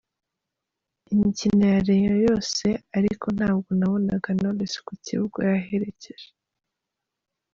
imikino ya Rayon yose ariko ntabwo nabonaga Knowless ku kibuga yaherekeje.